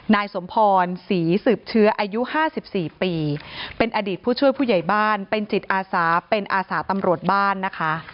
นายสมพรศรีสืบเชื้ออายุ๕๔ปีเป็นอดีตผู้ช่วยผู้ใหญ่บ้านเป็นจิตอาสาเป็นอาสาตำรวจบ้านนะคะ